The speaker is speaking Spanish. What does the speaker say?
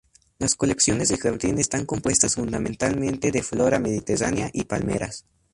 Las colecciones del jardín están compuestas fundamentalmente de Flora mediterránea y palmeras.